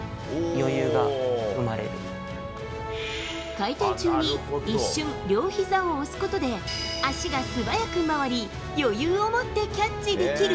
回転中に一瞬両ひざを押すことで足が素早く回り余裕を持ってキャッチできる。